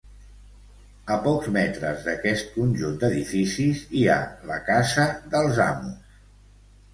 A pocs metres d'aquest conjunt d'edificis hi ha la casa dels amos.